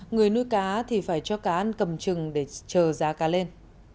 người nuôi cá thì phải cho cá ăn cầm chừng để chờ giá cá lên